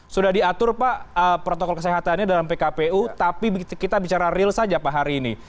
sudah diatur pak protokol kesehatannya dalam pkpu tapi kita bicara real saja pak hari ini